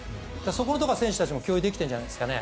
そこのところは選手たちも共有できているんじゃないですかね。